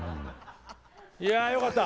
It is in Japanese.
いやよかった。